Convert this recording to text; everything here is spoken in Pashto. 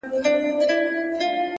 حوصله د لویو لاسته راوړنو شرط دی,